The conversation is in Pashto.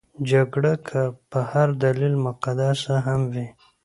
جګړه که په هر دلیل مقدسه هم وي.